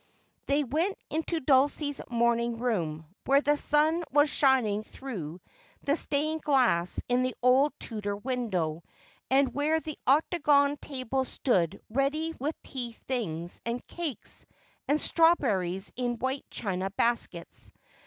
They went into Dulcie's morning room, where the sun was shining through the stained glass in the old Tudor window, and where the octagon table stood ready with tea things, and cakes, and strawberries in white china baskets.